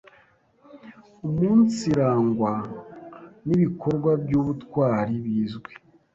umunsirangwa n’ibikorwa by’ubutwari bizwi